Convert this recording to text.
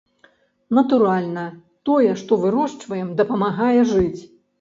Натуральна, тое, што вырошчваем, дапамагае жыць.